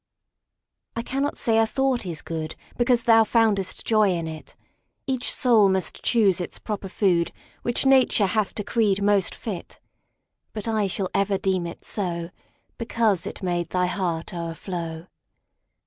I cannot say a thought is good Because thou foundest joy in it; Each soul must choose its proper food Which Nature hath decreed most fit; But I shall ever deem it so Because it made thy heart o'erflow.